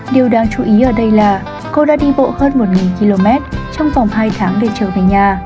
điều đáng chú ý ở đây là cô đã đi bộ hơn một km trong vòng hai tháng để trở về nhà